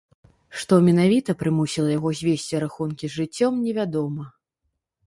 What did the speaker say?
Што менавіта прымусіла яго звесці рахункі з жыццём, невядома.